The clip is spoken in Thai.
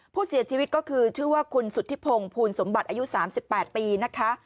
ผู้เสียชีวิตก็คือชื่อว่าคุณสุธิพงศ์ภูลสมบัติอายุ๓๘ปีนะคะ